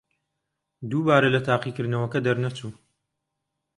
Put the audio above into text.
دووبارە لە تاقیکردنەوەکە دەرنەچوو.